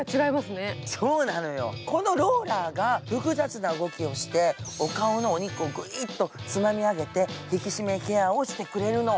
このローラーが複雑な動きをして、お顔のお肉をぐいーっとつまみ上げて引き締めケアをしてくれるの。